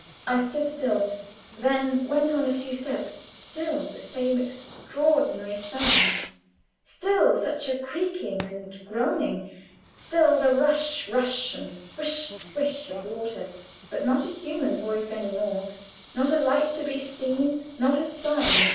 I stood still, then went on a few steps. Still the same extraordinary sounds still such a creaking and groaning still the rush, rush, and swish, swish of water; but not a human voice any more, not a light to be seen, not a sign!